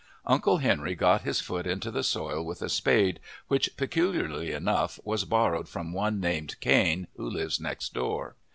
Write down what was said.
Uncle Henry got his foot into the soil with a spade which, peculiarly enough, was borrowed from one named Cain, who lives next door.